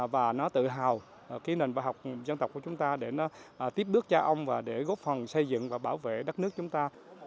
và nó tự hào cái nền bài học dân tộc của chúng ta để nó tiếp bước cha ông và để góp phần xây dựng và bảo vệ đất nước chúng ta